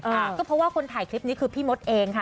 อ่าก็เพราะว่าคนถ่ายคลิปนี้คือพี่มดเองค่ะ